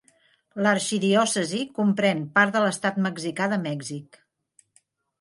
L'arxidiòcesi comprèn part de l'estat mexicà de Mèxic.